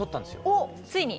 おっついに！